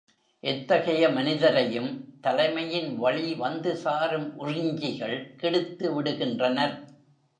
எத்தகைய மனிதரையும் தலைமையின் வழி வந்து சாரும் உறிஞ்சிகள் கெடுத்துவிடுகின்றனர்.